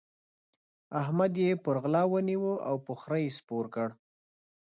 احمد يې پر غلا ونيو او پر خره يې سپور کړ.